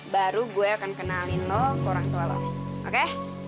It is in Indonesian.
baru gue akan kenalin lo ke orang tua lo oke